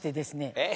えっ？